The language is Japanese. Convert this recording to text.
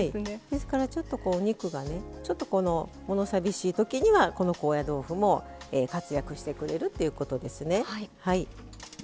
ですからちょっとお肉がねちょっと物寂しいときにはこの高野豆腐も活躍してくれるっていうことですね。